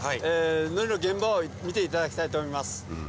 のりの現場を見ていただきたいと思います。